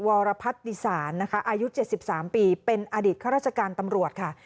วรพัทธิสารอายุ๗๓ปีเป็นอดิตข้าราชการตำรวจค่ะ